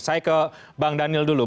saya ke bang daniel dulu